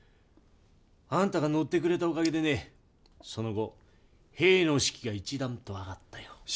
あんたが乗ってくれたおかげでねその後兵の士気が一段と上がったよ。